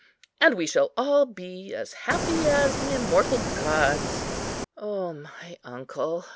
And we shall all be as happy as the immortal gods." "O my uncle!"